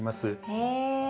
へえ。